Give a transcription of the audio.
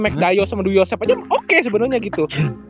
mac dayo sama duyosep aja oke sebenernya gitu